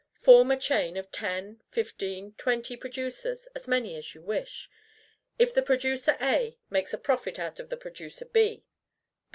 Form a chain of ten, fifteen, twenty producers; as many as you wish. If the producer A makes a profit out of the producer B.